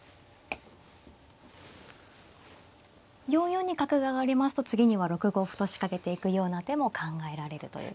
４四に角が上がりますと次には６五歩と仕掛けていくような手も考えられるという。